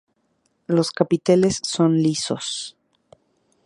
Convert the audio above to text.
Los capiteles son lisos.